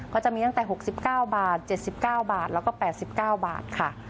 ก็จะมีตั้งแต่๖๙บาท๗๙บาทแล้วก็๘๙บาทค่ะ